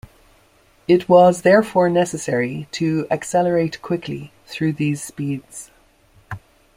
It was therefore necessary to accelerate quickly through these speeds.